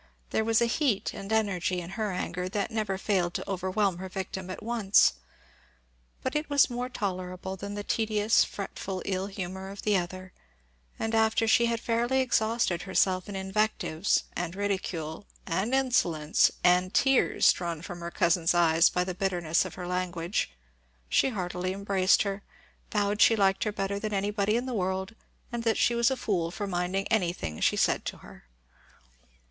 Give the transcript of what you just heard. There was a heat and energy in her anger that never failed to overwhelm her victim at once. But it was more tolerable than the tedious, fretful ill humour of the other; and after she had fairly exhausted herself in invectives, and ridicule, and insolence, and drawn tears from her cousin's eyes by the bitterness of her language, she heartily embraced her, vowed she liked her better than anybody in the world, and that she was a fool for minding anything she said to her.